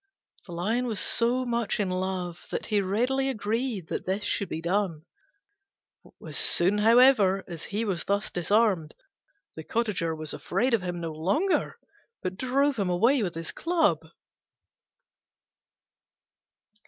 The Lion was so much in love that he readily agreed that this should be done. When once, however, he was thus disarmed, the Cottager was afraid of him no longer, but drove him away with his club.